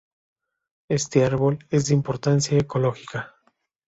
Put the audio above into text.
Este árbol es de importancia ecológica.